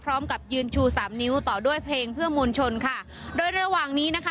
พร้อมกับยืนชูสามนิ้วต่อด้วยเพลงเพื่อมวลชนค่ะโดยระหว่างนี้นะคะ